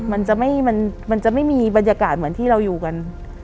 มันจะไม่มีบรรยากาศเหมือนที่เราอยู่กัน